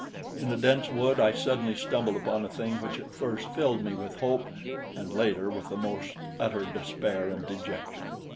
In a dense wood I suddenly stumbled upon a thing which at first filled me with hope and later with the most utter despair and dejection.